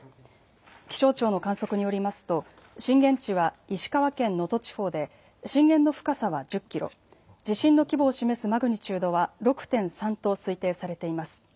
気象庁の観測によりますと震源地は石川県能登地方で震源の深さは１０キロ、地震の規模を示すマグニチュードは６．３と推定されています。